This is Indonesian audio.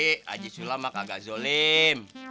pak haji sulam mah kagak zolim